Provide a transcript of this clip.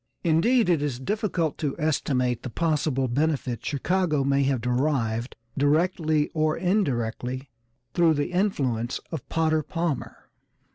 Indeed, it is difficult to estimate the possible benefit Chicago may have derived, directly or indirectly, through the influence of Potter Palmer.